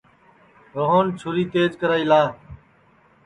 روہن چُھری تیج کرائی لا